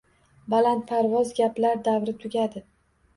Balandparvoz gaplar davri tugadi